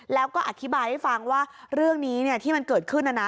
แล้วก็อธิบายให้ฟังว่าเรื่องนี้ที่มันเกิดขึ้นนะนะ